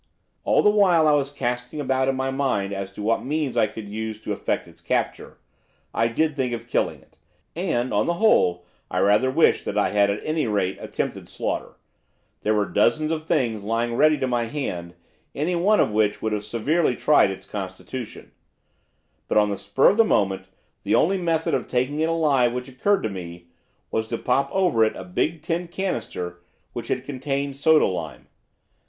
All the while I was casting about in my mind as to what means I could use to effect its capture. I did think of killing it, and, on the whole, I rather wish that I had at any rate attempted slaughter, there were dozens of things, lying ready to my hand, any one of which would have severely tried its constitution; but, on the spur of the moment, the only method of taking it alive which occurred to me, was to pop over it a big tin canister which had contained soda lime.